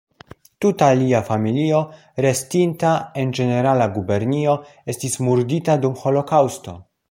Tuta lia familio restinta en Ĝenerala Gubernio estis murdita dum holokaŭsto.